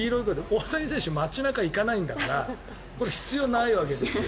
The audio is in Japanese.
大谷選手は街中に行かないんだから必要ないわけですよ。